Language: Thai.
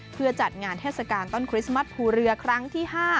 เพื่อจัดงานเทศกาลต้นคริสต์มัสภูเรือครั้งที่๕